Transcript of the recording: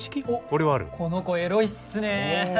この子エロいっすね。